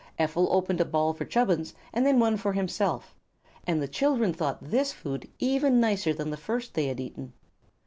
Ephel opened a ball for Chubbins and then one for himself, and the children thought this food even nicer than the first they had eaten.